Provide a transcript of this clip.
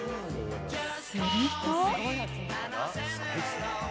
すると。